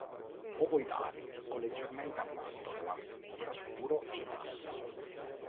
Ovoidali o leggermente a mandorla, ocra-scuro in massa.